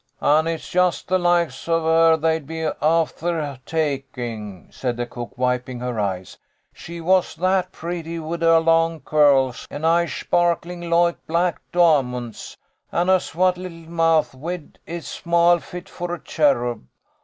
"An' it's just the loikes av her they'd be afther taking," said the cook, wiping her eyes. " She was that pretty wid her long currls, an' eyes shparklin' loike black dimonts, an' her swate little mouth wid its smile fit for a cherub.